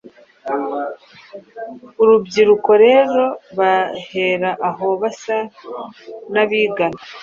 Urubyiruko rero bahera aho basa n’abigana